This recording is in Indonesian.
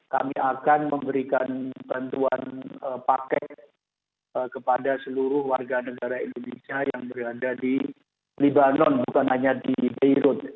kami akan memberikan bantuan paket kepada seluruh warga negara indonesia yang berada di libanon bukan hanya di beirut